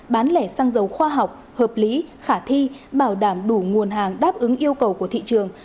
bán lẻ xăng dầu khoa học hợp lý khả thi bảo đảm đủ nguồn hàng đáp ứng yêu cầu của thị trường